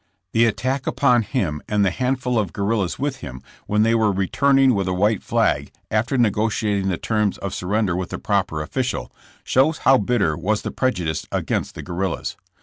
The attack upon him and the handful of guerrillas with him when they were re turning with a white flag after negotiating the terms of surrender with the proper official, shows how bit ter was the prejudice against the guerrillas.